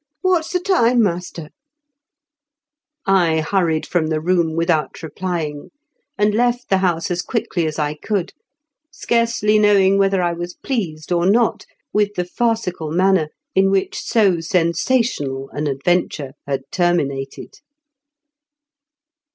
"What's the time, master ?" I hurried from the room without re plying, and left the house as quickly a.s I could, scarcely knowing whether I was pleased or not with the farcical manner in which so sensational an adventure had ter minated.